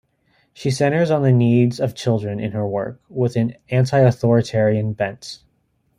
She centres on the needs of children in her work, with an anti-authoritarian bent.